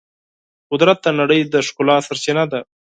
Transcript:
قدرت د نړۍ د ښکلا سرچینه ده.